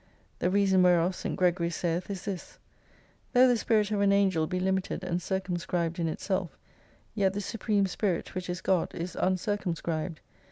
The reason whereof St. Gregory saith is this : Tho' the Spirit of an Angel he limited and cirmmscribed in itself, yet the Supreme Spirit, which is God, is uncircumscribed.